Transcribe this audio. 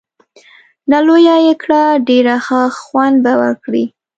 نه، لویه یې کړه، ډېر ښه خوند به وکړي.